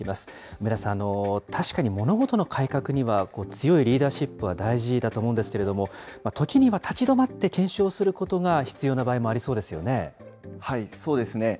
梅田さん、確かに物事の改革には、強いリーダーシップは大事だと思うんですけれども、ときには立ち止まって検証することが必要な場そうですね。